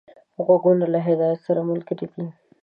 غوږونه له هدایت سره ملګري دي